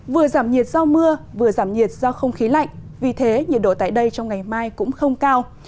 vừa giảm nhiệt do mưa vừa giảm nhiệt do không khí lạnh vì thế nhiệt độ tại đây trong ngày mai cũng không cao